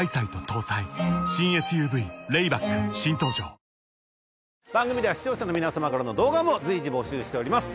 最高の渇きにＤＲＹ番組では視聴者の皆様からの動画も随時募集しております